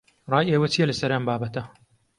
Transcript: ڕای ئێوە چییە لەسەر ئەم بابەتە؟